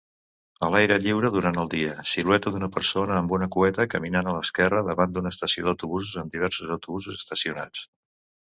A l'aire lliure durant el dia, silueta d'una persona amb una cueta caminant a l'esquerra davant d'una estació d'autobusos amb diversos autobusos estacionats